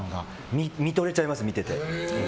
見とれちゃいます、見てて。